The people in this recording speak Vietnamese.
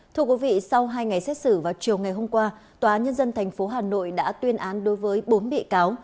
thưa quý vị sau hai ngày xét xử vào chiều ngày hôm qua tòa nhân dân tp hà nội đã tuyên án đối với bốn bị cáo